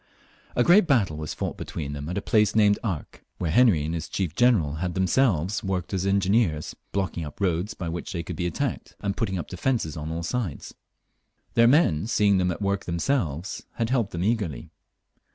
A great battle was fought between them at a place named Arques, where Henry and his chief general had themselves worked as engineers, blocking up roads by which they could be attacked, and putting up defences on all sides. Their men, seeing them at work themselves, had helped them eagerly.